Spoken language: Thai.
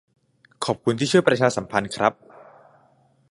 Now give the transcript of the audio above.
ขอบคุณที่ช่วยประชาสัมพันธ์ครับ